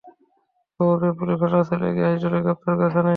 খবর পেয়ে পুলিশ ঘটনাস্থলে গিয়ে আজিজুলকে গ্রেপ্তার করে থানায় নিয়ে আসে।